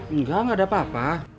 enggak enggak ada apa apa